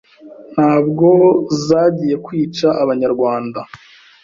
Ntabwo zagiye kwica abanyarwanda,